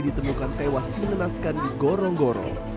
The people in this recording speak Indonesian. ditemukan tewas mengenaskan di gorong gorong